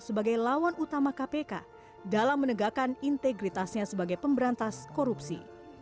sebagai lawan utama kpk dalam menegakkan integritasnya sebagai pemberantas korupsi